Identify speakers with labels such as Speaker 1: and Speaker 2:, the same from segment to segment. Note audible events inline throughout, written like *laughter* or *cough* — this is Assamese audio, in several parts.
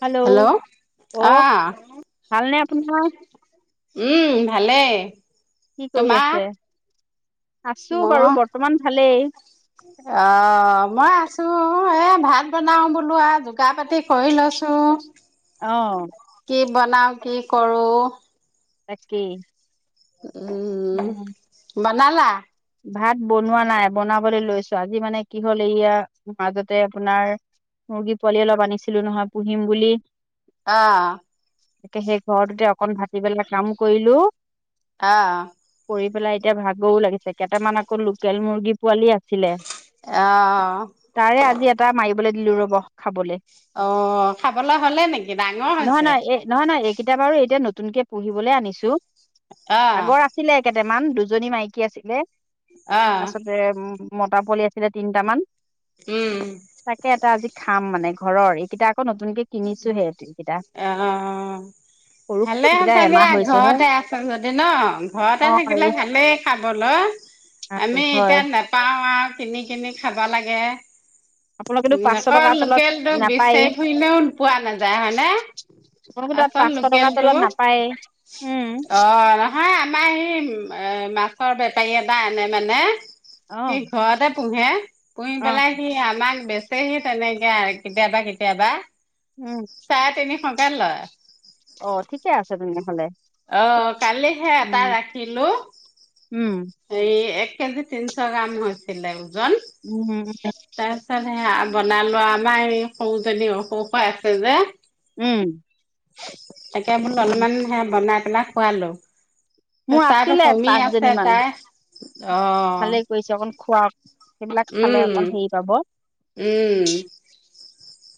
Speaker 1: হেল্ল' অহ,
Speaker 2: আহ
Speaker 1: ভালনে আপোনাৰ?
Speaker 2: উম, ভালেই।
Speaker 1: কি কৰি
Speaker 2: তোমাৰ
Speaker 1: আছে? আছো বাৰু
Speaker 2: মই
Speaker 1: বৰ্তমান ভালেই।
Speaker 2: অ' মই আছো, এ ভাত বনাও বোলো আৰু যোগাৰ পাতি কৰি লৈছোঁ।
Speaker 1: অ'
Speaker 2: কি বনাম, কি কৰোঁ।
Speaker 1: তাকে
Speaker 2: উম, বনালা।
Speaker 1: ভাত বনোৱা নাই, বনাবলৈ লৈছোঁ। আজি মানে কি হ'ল এইয়া মাজতে আপোনাৰ। মুৰ্গী পোৱালি অলপ আনিছিলো নহয় পুহিম বুলি।
Speaker 2: অহ'
Speaker 1: তাকে সেই ঘৰটোতে অকন ভাটিবেলা কাম কৰিলোঁ।
Speaker 2: অ'
Speaker 1: কৰি পেলাই এতিয়া ভাগৰও লাগিছে। কেইটামান আকৌ লোকেল মুৰ্গী পোৱালি আছিলে।
Speaker 2: অহ'
Speaker 1: তাৰে আজি এটা মাৰিবলৈ দিলো ৰব খাবলৈ।
Speaker 2: অ' খাবলৈ হ'লে নেকি ডাঙৰ
Speaker 1: নহয়
Speaker 2: হৈছে।
Speaker 1: নহয় এই নহয়, নহয়, এইকেইটা বাৰু এতিয়া নতুনকে পুহিবলৈ আনিছোঁ।
Speaker 2: অ'
Speaker 1: আছিলে কেইটামান দুজনী মাইকী আছিলে।
Speaker 2: অ
Speaker 1: তাৰপাছতে মতা পোৱালি আছিলে, তিনটামান
Speaker 2: উম।
Speaker 1: তাকে এটা আজি খাম মানে ঘৰৰ। এইকেইটা আকৌ নতুনকে কিনিছোহে এইকেইটা
Speaker 2: অহ'
Speaker 1: সৰু সৰু
Speaker 2: ভালে
Speaker 1: এইকেইটা
Speaker 2: হৈছে
Speaker 1: এমাহ
Speaker 2: দিয়া
Speaker 1: হৈছেহে
Speaker 2: ঘৰতে আছে যদি ন? ঘৰতে
Speaker 1: অঁ
Speaker 2: থাকিলে
Speaker 1: এই
Speaker 2: ভালেই। খাবলৈ।
Speaker 1: ভাল
Speaker 2: আমি
Speaker 1: হয়
Speaker 2: এতিয়া নেপাওঁ আৰু কিনি কিনি খাব লাগে।
Speaker 1: আপোনালোকেতো পাঁচশ
Speaker 2: আকৌ
Speaker 1: টকাৰ তলত
Speaker 2: লোকেলটো
Speaker 1: নাপায়েই
Speaker 2: বিচাৰি ফুৰিলেও পোৱা নাযায় হয়নে?
Speaker 1: আপোনালোকৰ তাত
Speaker 2: আচল
Speaker 1: পাঁচশ
Speaker 2: লোকেল
Speaker 1: টকাৰ
Speaker 2: টো
Speaker 1: তলত
Speaker 2: অ'।
Speaker 1: নাপায়েই অঁ
Speaker 2: অ' নহয় আমাৰ হেই মাছৰ বেপাৰী এটাই আনে মানে। সি
Speaker 1: অঁ
Speaker 2: ঘৰতে পোহে। পুহি পেলাই সি আমাক বেছি হে সি তেনেকে আনে কেতিয়াবা কেতিয়াবা
Speaker 1: উম
Speaker 2: চাৰে তিনিশকে লয়।
Speaker 1: অ' ঠিকে আছে তেনেহ'লে।
Speaker 2: অ' কালিহে এটা
Speaker 1: উম
Speaker 2: ৰাখিলোঁ।
Speaker 1: উম।
Speaker 2: এই এক কেজি তিনিশ গ্ৰাম হৈছিলে ওজন।
Speaker 1: উম।
Speaker 2: তাৰপিছত সেইয়া বনালো, আমাৰ এই সৰু জনী অসুখ হৈ আছে যে।
Speaker 1: উম।
Speaker 2: তাকে বোলো
Speaker 1: উম
Speaker 2: অলপমান হে বনাই পেলাই খোৱালো।
Speaker 1: মোৰ
Speaker 2: প্ৰেছাৰটো
Speaker 1: আছিলে
Speaker 2: কমি আছে
Speaker 1: পাঁচজনি মান,
Speaker 2: তাই অ
Speaker 1: ভালেই কৰিছে অকন খুৱাক। সেইবিলাক খালে
Speaker 2: উম
Speaker 1: অকণ হেৰি পাব।
Speaker 2: উম।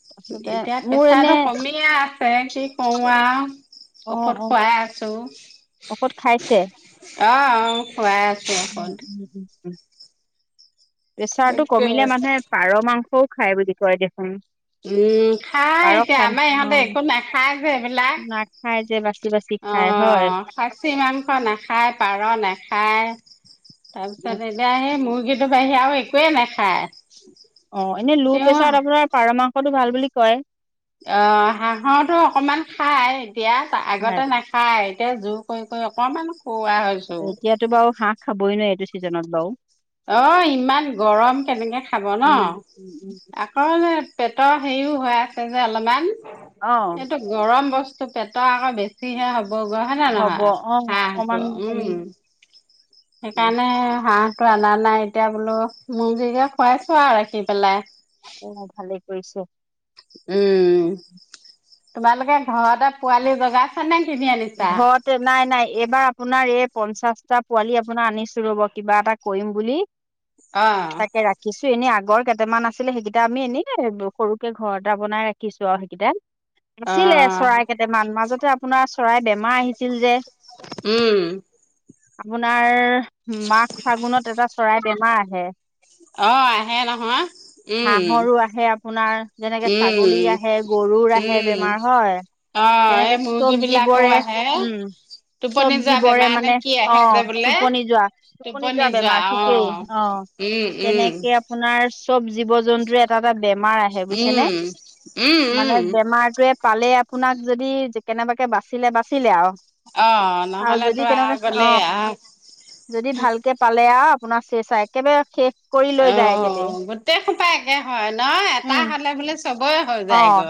Speaker 1: তাৰপিছতে
Speaker 2: এতিয়া
Speaker 1: মোৰ এনে
Speaker 2: প্ৰেছাৰটো কমিয়ে আছে। কি কৰো আৰু।
Speaker 1: অঁ
Speaker 2: ঔষধ
Speaker 1: অঁ
Speaker 2: খুৱাই আছোঁ।
Speaker 1: ঔষধ খাইছে
Speaker 2: অহ' অহ' খুৱাই আছোঁ ঔষধ।
Speaker 1: *unintelligible* প্ৰেছাৰটো
Speaker 2: তাকে
Speaker 1: কমিলে মানুহে পাৰ মাংসও খায় বুলি কয় দেখোন।
Speaker 2: উম খাই
Speaker 1: পাৰ
Speaker 2: এতিয়া
Speaker 1: খাই
Speaker 2: আমাৰ
Speaker 1: নাখাই
Speaker 2: ইহঁতে একো নাখায় যে এইবিলাক
Speaker 1: অ' নাখায় যে বাচি বাচি।
Speaker 2: অ
Speaker 1: খাই হয়।
Speaker 2: খাচী মাংস নাখায়, পাৰ নাখায়। তাৰপিছত এতিয়া সেই মুৰ্গী সিটোৰ বাহিৰে আৰু একোৱেই নাখায়।
Speaker 1: অ', এনে লো
Speaker 2: তেওঁ
Speaker 1: প্ৰেচাৰত আপোনাৰ পাৰ মাংসটো ভাল বুলি কয়।
Speaker 2: অ' হাঁহৰটো অকণমান খাই, এতিয়া
Speaker 1: হয়,
Speaker 2: আগতে নাখায় খাই এতিয়া জোৰ কৰি কৰি অকণমান খুওৱা হৈছোঁ।
Speaker 1: এতিয়াতো বাৰু হাঁহ খাবই নোৱাৰি, এইটো ছিজনত বাৰু।
Speaker 2: অ' ইমান গৰম কেনেকে খাব ন।
Speaker 1: উম, উম, উম,
Speaker 2: হয় যে পেটৰ হেৰিও হৈ আছে যে অলপমান
Speaker 1: অ',
Speaker 2: এইটো গৰম বস্তু পেটৰ আকৌ বেছিহে হ'ব। গৰম হয় নে
Speaker 1: হ'ব
Speaker 2: নহয়?
Speaker 1: অ',
Speaker 2: হাঁহটো
Speaker 1: অকমান
Speaker 2: উম, সেইকাৰণে হাঁহ তো অনা নাই, এতিয়া বোলো মূৰ্গীকে খুৱাইছো আৰু ৰাখি পেলাই।
Speaker 1: অ', অ', ভালেই কৰিছে।
Speaker 2: উম, তোমালোকে ঘৰতে পোৱালি জগাইছা নে কিনি আনিছা?
Speaker 1: ঘৰতে নাই নাই, এইবাৰ আপোনাৰ এই পঞ্চাশটা পোৱালি, আপোনাৰ আনিছো ৰ'ব কিবা এটা কৰিম বুলি। তাকে ৰাখ ৰাখিছোঁ, এনেই আগৰ কেইটামান আছিলে, সেইকেইটা আমি এনেই সৰুকে ঘৰ এটা বনাই ৰাখিছোঁ আৰু সেইকেইটা। আছিলে
Speaker 2: অ',
Speaker 1: চৰাই কেইটামান মাজতে আপোনাৰ চৰাই বেমাৰ আহিছিল যে।
Speaker 2: উম।
Speaker 1: আপোনাৰ, মাঘ ফাগুনত এটা চৰাই বেমাৰ আহে।
Speaker 2: অ', আহে নহয়। উম,
Speaker 1: হাঁহৰো আহে, আপোনাৰ যেনেকে
Speaker 2: উম,
Speaker 1: ছাগলীৰ, আহে গৰুৰ আহে
Speaker 2: উম।
Speaker 1: বেমাৰ হয়।
Speaker 2: অ', এই
Speaker 1: তেনেকে
Speaker 2: মুৰ্গী
Speaker 1: চবজি
Speaker 2: বিলাকো
Speaker 1: বোৰে,
Speaker 2: আহে।
Speaker 1: উম।
Speaker 2: টোপনি
Speaker 1: চবজ
Speaker 2: যোৱা
Speaker 1: বৰে
Speaker 2: বেমাৰ নে
Speaker 1: মানে
Speaker 2: কি আহে
Speaker 1: অ'
Speaker 2: যে বোলে।
Speaker 1: টোপনি যোৱা টোপনি যোৱা বেমাৰ ঠিকেই অ'।
Speaker 2: উম উম।
Speaker 1: তেনেকে আপোনাৰ চব জীৱ জন্তু এটা এটা বেমাৰ আহে
Speaker 2: উম,
Speaker 1: বুজিছেনে,
Speaker 2: উম,
Speaker 1: মানে
Speaker 2: উম।
Speaker 1: বেমাৰটোৱে পালে আপোনাক যদি কেনেবাকে বাচিলে বাচিলে আৰু।
Speaker 2: অ',
Speaker 1: আৰু যদি
Speaker 2: নহ'লেতো আৰু
Speaker 1: কেনেককে
Speaker 2: গ'লেই
Speaker 1: অ'
Speaker 2: আৰু।
Speaker 1: যদি ভালকে পালে আৰু আপোনাৰ চেচাই একেবাৰে শেষ কৰি লৈ যায় একেবাৰে।
Speaker 2: দেশখন পাইগে হয় ন এটা
Speaker 1: উম
Speaker 2: হলে বোলে চবেই হৈ
Speaker 1: অ
Speaker 2: যায় গ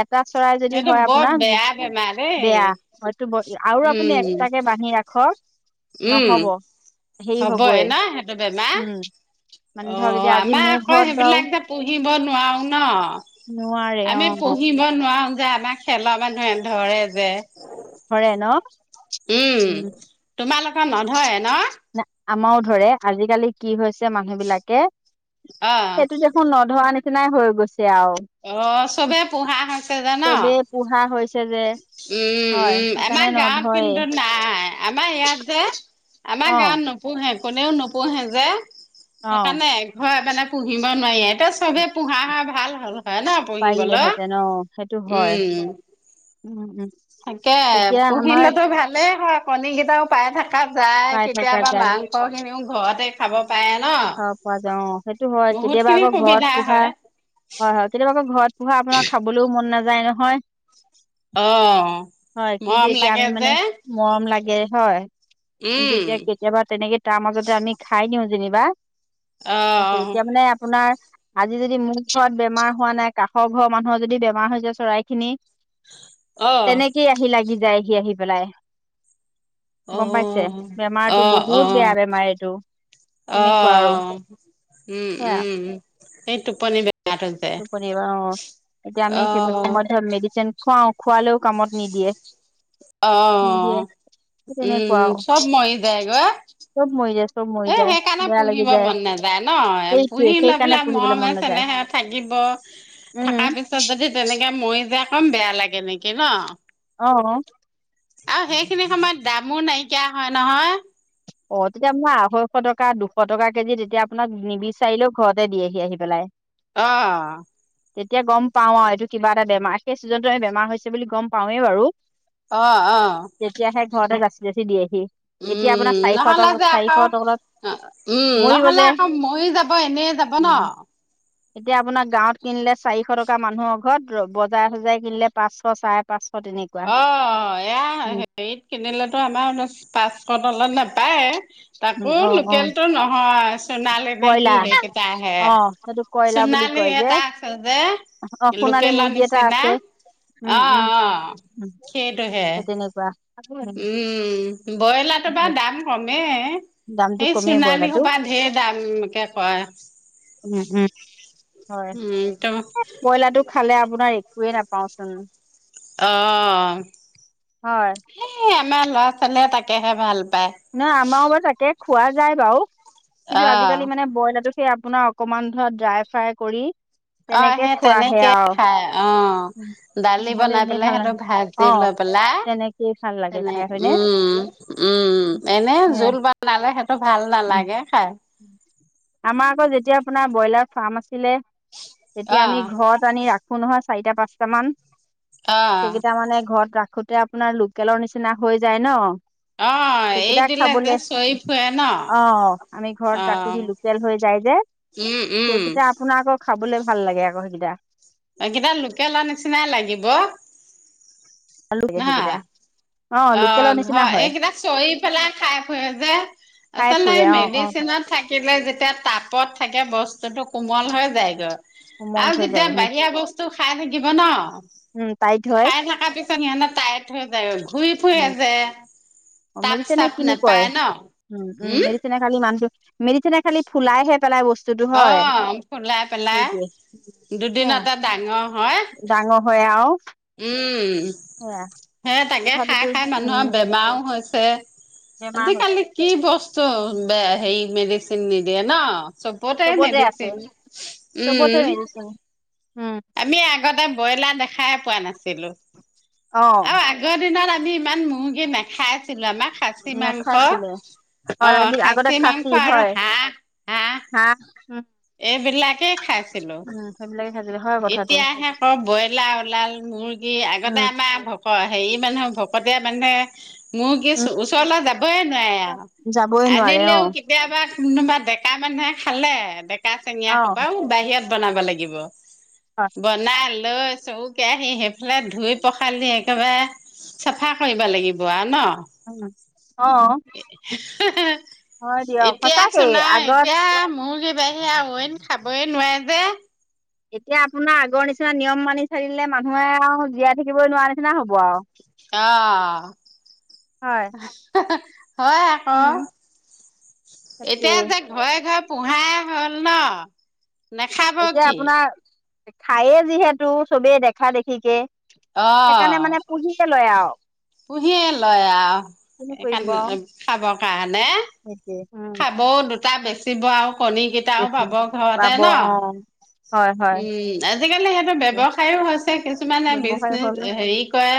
Speaker 1: এটা চৰাই যদি
Speaker 2: এইটো
Speaker 1: হয়
Speaker 2: বৰ
Speaker 1: আপোনাৰ
Speaker 2: বেয়া। বেমাৰ দেই,
Speaker 1: বেয়া হয়তো আৰু আপুনি
Speaker 2: উম,
Speaker 1: এক্সট্ৰাকে বান্ধি ৰাখক
Speaker 2: উম।
Speaker 1: নহব হেৰি
Speaker 2: হ'বয়
Speaker 1: হবই
Speaker 2: নহ সেইটো বেমাৰ,
Speaker 1: উম মানে ধৰক
Speaker 2: অ'
Speaker 1: এতিয়া আজি
Speaker 2: আমাৰ
Speaker 1: মোৰ
Speaker 2: অ'
Speaker 1: ঘৰত বাৰু
Speaker 2: সেইবিলাক যে পুহিব নোৱাৰো ন,
Speaker 1: নোৱাৰে অ
Speaker 2: আমি পুহিব নোৱাৰো যে আমাক খেলা মানুহে ধৰে যে,
Speaker 1: ধৰে ন
Speaker 2: উম, তোমালোক নধৰে ন।
Speaker 1: আমাৰও ধৰে আজিকালি কি হৈছে মানুহ বিলাকে,
Speaker 2: অ
Speaker 1: সেইটো মোৰ নধৰা নিচিনাই হৈ গৈছে আৰু।
Speaker 2: অ' চবে পোহা হৈছে জ ন।
Speaker 1: চবেই পোহা হৈছে যে
Speaker 2: উম
Speaker 1: হয়
Speaker 2: উম,
Speaker 1: সেইকাৰণে
Speaker 2: আমাৰ গাঁৱত
Speaker 1: নধৰেই।
Speaker 2: কিন্তু নাই আমাৰ ইয়াত যে আমাৰ
Speaker 1: অ',
Speaker 2: গাঁৱত নোপোহে কোনেও নোপোহে যে,
Speaker 1: অ'।
Speaker 2: সেইকাৰণে হয়, মানে পুহিব নোৱাৰিে তো চবে পোহা হ ভাল হ'ল হয় ন। পুহিবলৈ
Speaker 1: পাৰিলেহেঁতেন ন সেইটো, হয়
Speaker 2: উম
Speaker 1: উম উম।
Speaker 2: তাকে
Speaker 1: এতিয়া আমাৰ
Speaker 2: পুহিলেতো ভালে হয়, কণী কেইটাও পাই থাকে। যায়
Speaker 1: পাই থকা
Speaker 2: কেতিয়াবা
Speaker 1: যায়
Speaker 2: মাংস খিনিও ঘৰতে খাব পাৰে ন।
Speaker 1: খাব পোৱা যা অ' সেইটো হয়
Speaker 2: বহুত
Speaker 1: কেতিয়াবা
Speaker 2: খিনি
Speaker 1: আকৌ ঘৰত
Speaker 2: সুবিধা
Speaker 1: পোহা হয় হয়, কেতিয়াবা আকৌ ঘৰত পোহা আপোনাৰ খাবলৈও মন নাযায় নহয়।
Speaker 2: অ
Speaker 1: হয়,
Speaker 2: মৰম
Speaker 1: কিন্তু এতিয়া
Speaker 2: লাগে
Speaker 1: আমি মানে
Speaker 2: যে
Speaker 1: মৰম লাগে হয়, কিন্তু
Speaker 2: উম
Speaker 1: এতিয়া কেতিয়াবা তেনেকে তাৰ মাজতে আমি খাই নিও যেনিবা।
Speaker 2: অ
Speaker 1: তাৰপিছত এতিয়া মানে আপোনাৰ আজি যদি মোৰ ঘৰত বেমাৰ হোৱা নাই, কাষৰ ঘৰৰ মানুহৰ যদি বেমাৰ হৈ যায় চৰাই খিনি
Speaker 2: অ
Speaker 1: তেনেকেই আহি লাগি যায়, সি আহি পেলাই।
Speaker 2: অ
Speaker 1: গম পাইছে
Speaker 2: অ
Speaker 1: বেমাৰটো
Speaker 2: অ
Speaker 1: বহুত বেয়া বেমাৰ এইটো।
Speaker 2: অ
Speaker 1: তেনেকুৱা আৰু
Speaker 2: উম,
Speaker 1: সেয়া
Speaker 2: উম এই টোপনি বে
Speaker 1: *unintelligible* অ এতিয়া আমি
Speaker 2: অ
Speaker 1: সেই সময়ত ধৰ মেডিচিন খুৱাও খোৱালেও কামত নিদিয়ে।
Speaker 2: অ
Speaker 1: নিদিয়ে সেই তেনেকুৱা
Speaker 2: উম
Speaker 1: আৰু
Speaker 2: চব মৰি যায় গৈ।
Speaker 1: চব মৰি যায় চব মৰি
Speaker 2: এ
Speaker 1: যায়
Speaker 2: সেইকাৰণে
Speaker 1: বেয়া লাগি
Speaker 2: পুহিব
Speaker 1: যায়
Speaker 2: মন নেযায় নহ
Speaker 1: সেইটোৱে
Speaker 2: পুহি লৈ
Speaker 1: সেইকাৰণে
Speaker 2: পেলাই
Speaker 1: পুহিবলৈ
Speaker 2: মৰমে
Speaker 1: মন নাযায়
Speaker 2: চেনেহে। থাকিব
Speaker 1: উম
Speaker 2: থকা পিছত যদি তেনেকে মৰি যায় কম বেয়া লাগে নেকি নহ।
Speaker 1: অ।
Speaker 2: আৰু সেইখিনি সময়ত দামো নাইকিয়া হয় নহয়।
Speaker 1: অ তেতিয়া মই আঢ়ৈশ টকা দুশ টকা কেজি তেতিয়া আপোনাক নিবিচাৰিলেও ঘৰতে দিয়েহি আহি পেলাই।
Speaker 2: অ।
Speaker 1: তেতিয়া গম পাওঁ আৰু এইটো কিবা এটা বেমাৰ সেই ছিজনতো বেমাৰ হৈছে বুলি গম পাওঁৱেই বাৰু।
Speaker 2: অ অ।
Speaker 1: তেতিয়াহে ঘৰতে জাচি জাচি দিয়েহি এতিয়া আপোনাক।
Speaker 2: উম নহ'লে যে আকৌ উম
Speaker 1: মৰিব
Speaker 2: নহ'লে
Speaker 1: যে
Speaker 2: আকৌ মৰি যাব এনেই যাব নহ।
Speaker 1: এতিয়া আপোনাৰ গাঁৱত কিনিলে চাৰিশ টকা মানুহৰ ঘৰত বজাৰে চজাৰে কিনিলে পাঁচশ চাৰে পাঁচশ তেনেক
Speaker 2: অ এয়া হেৰিত কিনিলেতো আমাৰ পাঁচশ তলত নেপায়ে। তাকো লোকেলটো নহয়। সোণালী নে কি
Speaker 1: কয়লা
Speaker 2: সেইকেইটা আহে
Speaker 1: অ সেইটো কয়লা বুলি
Speaker 2: সোণালী
Speaker 1: কয় যে
Speaker 2: এটা আছে যে।
Speaker 1: অ সোণালী
Speaker 2: লোকেলৰ
Speaker 1: মুৰ্গী এটা
Speaker 2: নিচিনা
Speaker 1: আছে উম
Speaker 2: অ, অ
Speaker 1: উম
Speaker 2: সেইটোহে।
Speaker 1: সেই তেনেকুৱা।
Speaker 2: উম ব্ৰইলাৰটোৰ বাৰু দাম কমে।
Speaker 1: দামটো
Speaker 2: সেই
Speaker 1: কমেই
Speaker 2: চোনালী
Speaker 1: ব্ৰইলাৰটো
Speaker 2: সোবা ঢেৰ দামকে কয়।
Speaker 1: উম উম হয়।
Speaker 2: উম ত
Speaker 1: ব্ৰইলাৰটো খালে আপোনাৰ একোয়ে নাপাওঁ চোন।
Speaker 2: অ
Speaker 1: হয়
Speaker 2: সেই আমাৰ ল'ৰা-ছোৱালীয়ে তাকেহে ভাল পায়।
Speaker 1: নাহ আমাৰ বাৰু তাকে খোৱা যায় বাৰু কিন্তু
Speaker 2: অ
Speaker 1: আজিকালি মানে ব্ৰইলাৰটো। সেয়ে আপোনাৰ অকমান ধৰা ড্ৰাই ফ্ৰাই কৰি।
Speaker 2: অ
Speaker 1: তেনেকে
Speaker 2: সেই
Speaker 1: খোৱাহে
Speaker 2: তেনেকে
Speaker 1: আৰু
Speaker 2: খাই অ দালি
Speaker 1: নহ'লে
Speaker 2: বনাই
Speaker 1: এনেই
Speaker 2: পেলাই সিহঁতক
Speaker 1: নালাগে
Speaker 2: ভাল। *unintelligible*
Speaker 1: অ'
Speaker 2: পেলাই
Speaker 1: তেনেকেই ভাল লাগে
Speaker 2: তেনে
Speaker 1: খাই হয়নে
Speaker 2: উম। উম এনে
Speaker 1: সেয়া
Speaker 2: জুল বানালে সিহঁতৰ ভাল
Speaker 1: উম।
Speaker 2: নালাগে খাই।
Speaker 1: আমাৰ আকৌ যেতিয়া আপোনাৰ ব্ৰইলাৰ ফাৰ্ম আছিলে তেতিয়া
Speaker 2: অ
Speaker 1: আমি ঘৰত আনি ৰা খো নহয় চাৰিটা পাঁচটা মান
Speaker 2: অ',
Speaker 1: সেইকেইটা মানে ঘৰত ৰা খোতে আপোনাৰ লোকেলৰ নিচিনা হৈ যায় নহ।
Speaker 2: অ এৰি দিলে যে চৰি ফুুৰে নহ।
Speaker 1: অ আমি ঘৰত ৰাখোহি লোকেল হৈ যায় যে
Speaker 2: উম, উম,
Speaker 1: সেইকেইটা আপোনাৰ আকৌ। খাবলৈ ভাল লাগে আকৌ সেইকেইটা।
Speaker 2: সেইকেইটা লোকেলৰ নিচিনাই লাগিব।
Speaker 1: *unintelligible* সেইকেইটা।
Speaker 2: নহয়, অ
Speaker 1: লোকেলৰ নিচিনা
Speaker 2: ঘৰ
Speaker 1: হয়
Speaker 2: এইকেইটা চৰি পেলাই খাই ফুৰে যে।
Speaker 1: খাই
Speaker 2: আচলতে
Speaker 1: ফুৰে
Speaker 2: এই
Speaker 1: অ' অ'
Speaker 2: মেডিচিনত থাক কিলে যেতিয়া তাপত থাকে বস্তুতো কোমল হৈ যায় গৈ।
Speaker 1: কোমল
Speaker 2: আৰু
Speaker 1: হৈ যায়
Speaker 2: যেতিয়া
Speaker 1: উম
Speaker 2: বাহিৰা বস্তু খাই থাকিব নহ
Speaker 1: উম টাইট হয়
Speaker 2: খাই থকা পিছত। *unintelligible* টাইট হৈ যায়। ঘুৰি ফুৰে
Speaker 1: উম
Speaker 2: যে
Speaker 1: অ
Speaker 2: তাপ
Speaker 1: মেডিচিনে
Speaker 2: চাপ
Speaker 1: কিনো কয়
Speaker 2: নাপায় নহ উম।
Speaker 1: *unintelligible* মেডিচিনে খালি ফুলাই হে পেলাই বস্তু। স্তুটো হয়
Speaker 2: অ', ফুলাই
Speaker 1: সেইটোৱে সেয়া।
Speaker 2: নহয়।
Speaker 1: ডাঙৰ হয় আৰু।
Speaker 2: উম।
Speaker 1: সেয়া
Speaker 2: হে তাকে খাই
Speaker 1: তথাপিতো
Speaker 2: খাই
Speaker 1: উম
Speaker 2: মানুহৰ বেমাৰও হৈছে
Speaker 1: বেমাৰ হৈছে
Speaker 2: আজিকালি। কি বস্তু ব হেৰি মেডিচিন নিদিয়ে ন। চবতে মেডিচিন
Speaker 1: চবতে
Speaker 2: উম।
Speaker 1: মেডিচিন উম।
Speaker 2: আমি আগতে ব্ৰইলাৰ দেখাই পোৱা নাছিলো।
Speaker 1: অ
Speaker 2: আৰু আগৰ দিনত আমি ইমান মুৰ্গী নাখাইছিলোঁ। আমাৰ সাচী মাংস
Speaker 1: নাখাইছিলে অ' আগতে
Speaker 2: খাচী মাংস
Speaker 1: খাচি
Speaker 2: আৰু
Speaker 1: হয়,
Speaker 2: হাঁহ
Speaker 1: হাহঁ।
Speaker 2: এইবিলাকে খাইছিলোঁ।
Speaker 1: সেইবিলাকে খাইছিলো হয় কথাটো।
Speaker 2: আকৌ ব্ৰইলাৰ ওলাল মুৰ্গী আগতে
Speaker 1: উম
Speaker 2: আমাৰ। অ' হেৰি মানুহে ভকতীয়া মানুহে মূৰ্গী
Speaker 1: উম
Speaker 2: ওচৰলৈ যাবইে নোৱাৰে আৰু
Speaker 1: যাবই নোৱাৰে অ
Speaker 2: আনিলেও কেতিয়াবা। কোনোবা ডেকা মানুহে খালে, ডেকা চেঙিয়া
Speaker 1: অ
Speaker 2: সোবাও বাহিৰত বনাব লাগিব।
Speaker 1: হয়।
Speaker 2: বনাই লৈ চৰু কেৰাহী সেইফালে ধুই পখালি একেবাৰে। চাফা কৰিব লাগিব আহ ন।
Speaker 1: অ' অ' হয় দিয়ক
Speaker 2: এতিয়া
Speaker 1: সঁচাকেই
Speaker 2: চোন আ
Speaker 1: আগত
Speaker 2: এতিয়া মূৰ্গীৰ। বাহি আৰু অইন খাবই নোৱাৰে যে।
Speaker 1: এতিয়া আপোনাৰ আগৰ নিচিনা নিয়ম মানি চলিলে মানুহে আৰু জীয়াই থাকিবই নোৱাৰা নিচিনা হ'ব আৰু। হয়।
Speaker 2: অ'হয় আ। অ,
Speaker 1: উম,
Speaker 2: এতিয়া
Speaker 1: তাকেই
Speaker 2: যে ঘৰে ঘৰে পোহাই হ'ল ন। নাখাব
Speaker 1: এতিয়া
Speaker 2: কি
Speaker 1: আপোনাৰ, খায়ে যিহেতু চবেই দেখা-দেখিকে। সেইকাণে
Speaker 2: অ'
Speaker 1: মানে পুহিকে লয়। আৰু।
Speaker 2: পুহিয়ে লয় আ
Speaker 1: কিনো কৰিব
Speaker 2: সেইকাৰণে
Speaker 1: আৰু
Speaker 2: খাব খাবৰ কাৰণে।
Speaker 1: সেইটোৱে
Speaker 2: খাবও দুটা বেচিব আৰু কণী কেইটাও
Speaker 1: বেছি
Speaker 2: পাব ঘৰতে
Speaker 1: পাব অ'।
Speaker 2: ন।
Speaker 1: হয়, হয়
Speaker 2: উম, আজিকালি সেইটো ব্যৱসায় হৈছে, কিছুমানে
Speaker 1: ব্যৱসায়
Speaker 2: ব্ৰিজনেজ
Speaker 1: হ'ল
Speaker 2: হেৰি কৰে।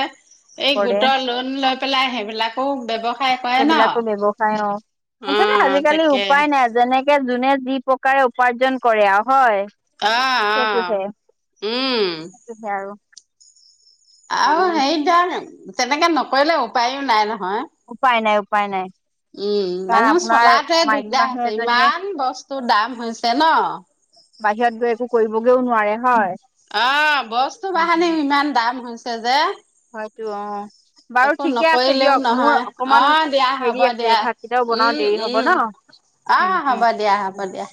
Speaker 2: এই
Speaker 1: কৰে
Speaker 2: গোটৰ লোন লৈ পেলাই হেইবিলাকো ব্যৱসায় কৰে ন
Speaker 1: সেইবিলাকো ব্যৱসায় অ'মুঠতে
Speaker 2: অ'
Speaker 1: আজিকালি
Speaker 2: তাকে
Speaker 1: উপায় নাই যেনেকে যোনে যি প্ৰকাৰে। উপাৰ্জন কৰে আও হয়,
Speaker 2: অ' অ'
Speaker 1: সেটোহে,
Speaker 2: উম
Speaker 1: সেইটোহে আৰু। হেৰি
Speaker 2: আও হেইত ধৰনে, তেনেকে নকৰিলে উপায়ও নাই নহয়।
Speaker 1: উপায় নাই, উপায় নাই।
Speaker 2: উম,
Speaker 1: কাৰণ
Speaker 2: মানুহে
Speaker 1: আপোনাৰ
Speaker 2: চলাতোহে
Speaker 1: মাইকী
Speaker 2: দিগদাৰ
Speaker 1: মানুহ
Speaker 2: হৈছে
Speaker 1: এজনীয়ে
Speaker 2: ইমান বস্তুৰ দাম হৈছে ন।
Speaker 1: বাহিৰত গৈ একো কৰিবগেও নোৱাৰে হয়।
Speaker 2: অ' বস্তু বাহানিও ইমান দাম হৈছে যে।
Speaker 1: হয়তো অ বাৰু
Speaker 2: একো
Speaker 1: ঠিকে আছে
Speaker 2: নকৰিলেও
Speaker 1: দিয়ক মোৰ
Speaker 2: নহয়
Speaker 1: অকমান
Speaker 2: অ' দিয়া হ'ব
Speaker 1: হেৰি আছে
Speaker 2: দিয়া।
Speaker 1: ভাতকেইটাও বনাও
Speaker 2: উম,
Speaker 1: দেৰি হ'ব
Speaker 2: উম,
Speaker 1: ন
Speaker 2: অহ
Speaker 1: উম
Speaker 2: হ'ব দিয়া, হ'ব
Speaker 1: উম
Speaker 2: দিয়া।